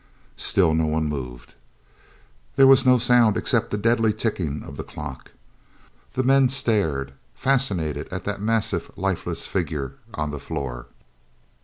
Still no one moved. There was no sound except the deadly ticking of the clock. The men stared fascinated at that massive, lifeless figure on the floor.